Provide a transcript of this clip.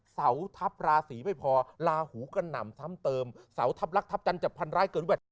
เสาทัพราศีไม่พอลาหูกระหน่ำซ้ำเติมเสาทัพลักษัพจันทร์จะพันร้ายเกิน